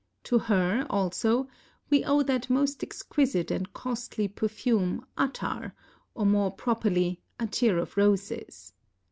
To ner, also, we owe that most exquisite and costly perfume, Attar, or more properly, Atyr of Roses.